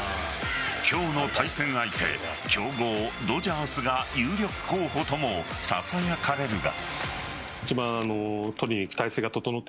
今日の対戦相手強豪・ドジャースが有力候補ともささやかれるが。